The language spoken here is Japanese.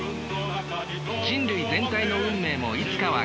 人類全体の運命もいつかは消える。